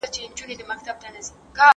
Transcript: نور باید د دې کتابونو له لوستلو لاس واخلې.